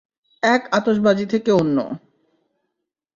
এক আতসবাজি থেকে অন্য।